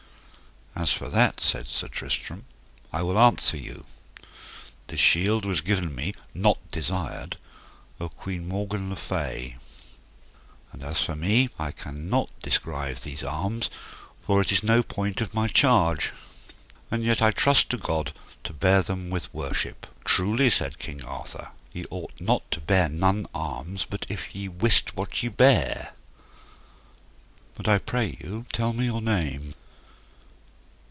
As for that, said Sir Tristram, I will answer you; this shield was given me, not desired, of Queen Morgan le Fay; and as for me, I can not descrive these arms, for it is no point of my charge, and yet I trust to God to bear them with worship. Truly, said King Arthur, ye ought not to bear none arms but if ye wist what ye bear: but I pray you tell me your name.